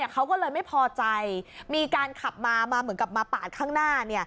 เขาก็เลยไม่พอใจมีการขับมามาเหมือนกับมาปาดข้างหน้า